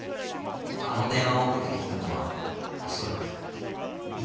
あの電話をかけてきたのは恐らく幹久先生です。